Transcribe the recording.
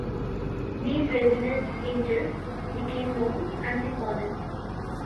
These rebellious angels became known as The Fallen.